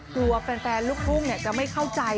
แฟนลูกทุ่งจะไม่เข้าใจ